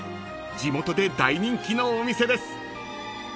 地元で大人気のお店です］